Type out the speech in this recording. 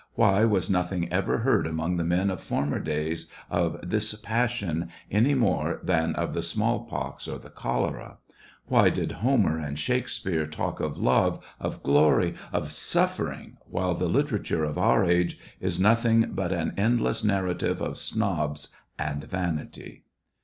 Why was nothing ever heard among the men of former days, of this pas sion, any more than of the small pox or the cholera ? Why did Homer and Shakspeare talk of love, of glory, of suffering, while the literature of our age is nothing but an endless narrative of snobs and vanity